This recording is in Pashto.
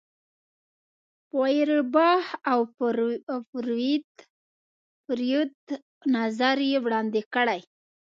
فوئرباخ او فروید نظریې وړاندې کړې.